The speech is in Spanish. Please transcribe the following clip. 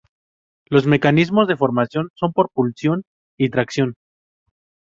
Los mecanismos de formación son por pulsión y tracción.